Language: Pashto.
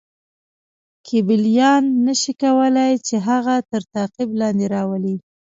کیبلیان نه شي کولای چې هغه تر تعقیب لاندې راولي.